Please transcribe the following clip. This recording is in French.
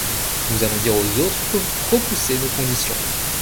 Nous allons dire aux autres que vous repoussez nos conditions.